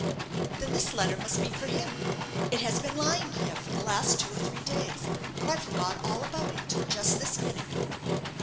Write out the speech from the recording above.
"Then this letter must be for him. It has been lying here for the last two or three days; but I forgot all about it till just this minute."